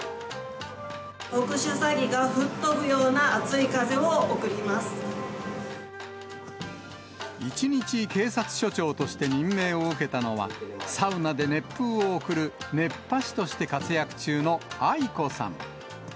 特殊詐欺が吹っ飛ぶような熱一日警察署長として任命を受けたのは、サウナで熱風を送る熱波師として活躍中のＡｉｋｏさん。